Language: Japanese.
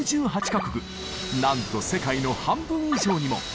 なんと世界の半分以上にも。